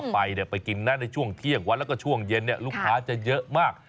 ไปไปกินนะในช่วงเที่ยงวันแล้วก็ช่วงเย็นลูกค้าจะเยอะมาก